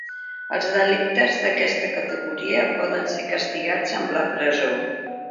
Els delictes d’aquesta categoria poden ser castigats amb la presó.